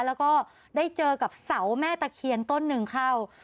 แล้วก็ได้เจอกับเสาแม่ตะเคียนต้นหนึ่งเข้า